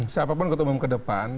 siapapun ketemu ke depan